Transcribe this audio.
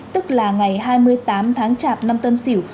tức là ngày hai mươi tám tháng chạp năm tân xỉu